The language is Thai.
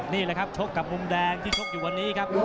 นี่แหละครับชกกับมุมแดงที่ชกอยู่วันนี้ครับ